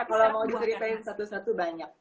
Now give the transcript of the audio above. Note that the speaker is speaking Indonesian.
kalau mau diceritain satu satu banyak